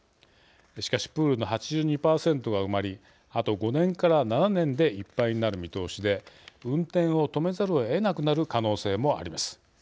しかし、プールの８２％が埋まりあと５年から７年でいっぱいになる見通しで運転を止めざるをえなくなる可能性もあります。